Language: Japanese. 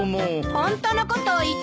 ホントのことを言ってよ！